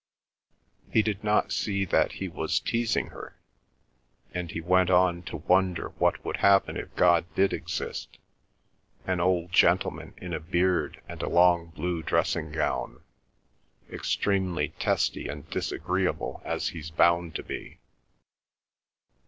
He did not see that he was teasing her, and he went on to wonder what would happen if God did exist—"an old gentleman in a beard and a long blue dressing gown, extremely testy and disagreeable as he's bound to be?